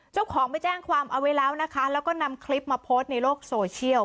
เจ้าของไปแจ้งความเอาไว้แล้วนะคะแล้วก็นำคลิปมาโพสต์ในโลกโซเชียล